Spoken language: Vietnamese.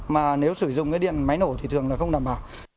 mà nếu sử dụng cái điện máy nổ thì thường là không đảm bảo